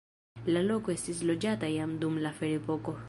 La loko estis loĝata jam dun la ferepoko.